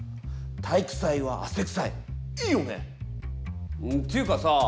「体育祭は汗くさい」いいよね？っていうかさ